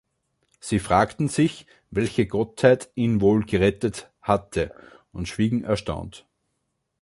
Sie fragten sich, welche Gottheit ihn wohl gerettet hatte, und schwiegen erstaunt.